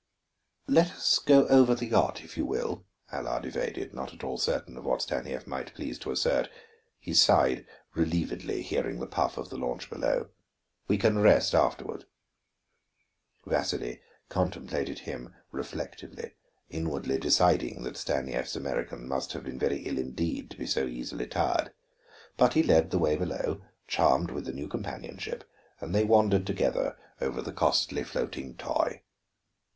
"Let us go over the yacht, if you will," Allard evaded, not at all certain of what Stanief might please to assert. He sighed relievedly, hearing the puff of the launch below. "We can rest afterward." Vasili contemplated him reflectively, inwardly deciding that Stanief's American must have been very ill indeed to be so easily tired. But he led the way below, charmed with the new companionship, and they wandered together over the costly floating toy.